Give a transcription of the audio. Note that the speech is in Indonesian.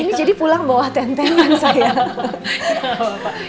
ini jadi pulang bawa tentengan sayang